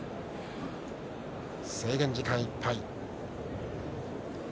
制限時間いっぱい。